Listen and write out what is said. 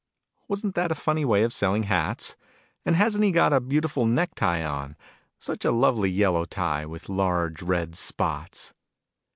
Wasn't that a funny way of selling hats ? And hasn't he got a beautiful neck tie on? Such a lovely yellow tie, with large red spots.